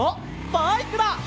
バイクだ！